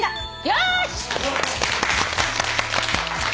よし！